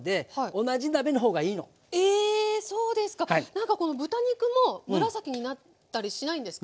何かこの豚肉も紫になったりしないんですか？